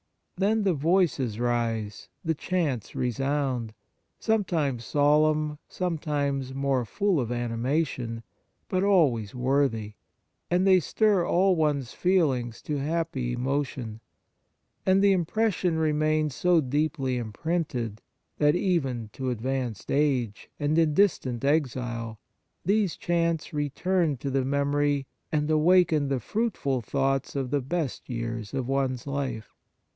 Then the voices rise, the chants resound, some times solemn, sometimes more full of animation, but always worthy, and 42 The Liturgical Offices they stir all one s feelings to happy emotion ; and the impression remains so deeply imprinted that, even to advanced age, and in distant exile, these chants return to the memory and awaken the fruitful thoughts of the best years of one s life.